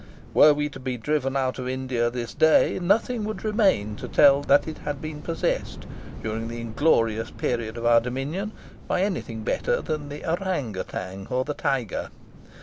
... Were we to be driven out of India this day, nothing would remain to tell that it had been possessed, during the inglorious period of our dominion, by anything better than the ourang outang or the tiger."